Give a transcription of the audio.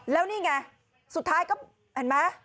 แล้วนี่ไงสุดท้ายก็เห็นไหม